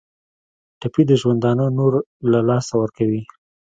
ټپي د ژوندانه نور له لاسه ورکوي.